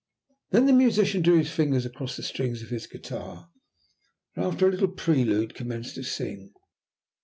Then the musician drew his fingers across the strings of his guitar, and after a little prelude commenced to sing.